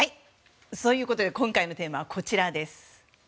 そういうことで今回のテーマは、こちらです。